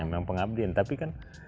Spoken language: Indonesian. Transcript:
memang pengabdian tapi kan